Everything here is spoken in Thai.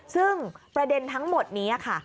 ซึ่งประเด็นทั้งหมดนี้ค่ะ